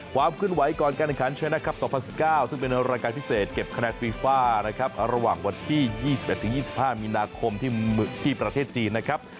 ความเคลื่อนไหวก่อนการแข่งขันช่วยนะครับ๒๐๑๙ซึ่งเป็นรายการพิเศษเก็บคะแนนฟีฟ่านะครับระหว่างวันที่๒๑๒๕มีนาคมที่ประเทศจีนนะครับ